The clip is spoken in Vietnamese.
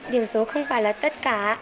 điểm số không phải là tất cả